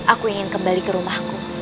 aku ingin kembali ke rumahku